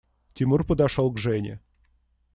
Тимур подошел к Жене.